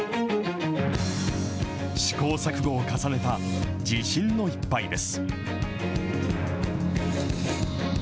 試行錯誤を重ねた、自信の一杯です。